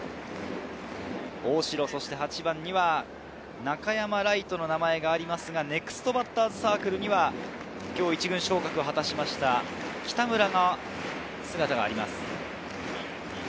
大城、８番には中山礼都の名前がありますが、ネクストバッターズサークルには今日、１軍昇格を果たした北村が姿を見せています。